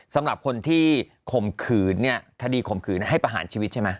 สำหรับคนที่ข่มขืนเนี่ยคดีข่มขืนให้ประหารชีวิตใช่ไหม